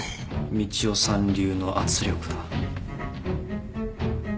みちおさん流の圧力だ。